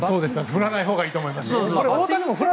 振らないほうがいいと思います。